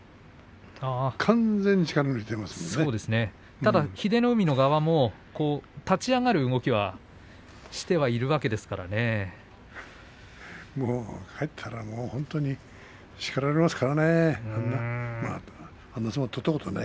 ただ英乃海の側も立ち上がる動きをしているわけ帰ったらもう本当に叱られますからね。